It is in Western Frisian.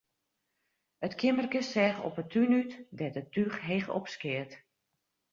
It keammerke seach op 'e tún út, dêr't it túch heech opskeat.